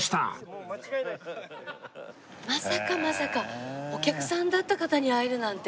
まさかまさかお客さんだった方に会えるなんて。